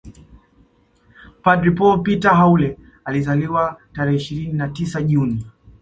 Padre Paul Peter Haule alizaliwa tarehe ishirini na tisa juni